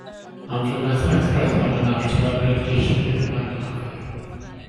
Am flynyddoedd, roedd hon yn ardal a bleidleisiai i'r Blaid Lafur.